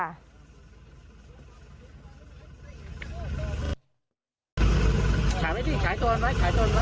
อ้าวคล้องเลย